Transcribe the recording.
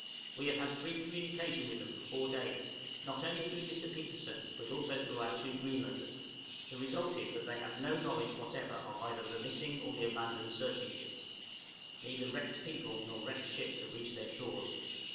We have had free communication with them for four days not only through Mr. Petersen, but also through our two Greenlanders; the result is, that they have no knowledge whatever of either of the missing or the abandoned searching ships. Neither wrecked people nor wrecked ships have reached their shores.